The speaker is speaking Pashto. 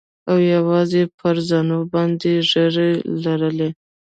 او يوازې يې پر زنو باندې ږيرې لرلې.